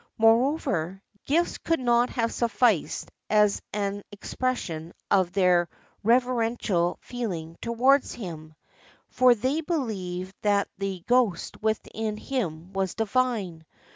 Moreover, gifts could never have sufi&ced as an expression of their reverential feehng towards him; for they believed that the ghost within him was divine.